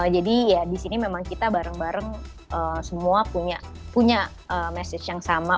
jadi ya di sini memang kita bareng bareng semua punya message yang sama